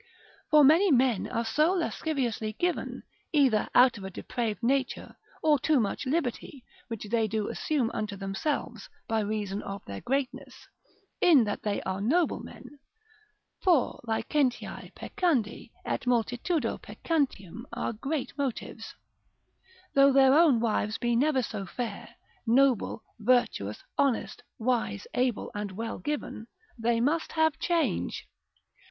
For many men are so lasciviously given, either out of a depraved nature, or too much liberty, which they do assume unto themselves, by reason of their greatness, in that they are noble men, (for licentiae peccandi, et multitudo peccantium are great motives) though their own wives be never so fair, noble, virtuous, honest, wise, able, and well given, they must have change.